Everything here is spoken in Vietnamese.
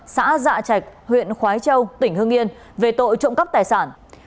xã dạ trạch huyện khói châu tỉnh hương yên về tội trộm cắp tài sản